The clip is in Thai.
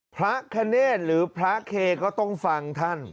พระคเนธหรือพระเคก็ต้องฟังท่าน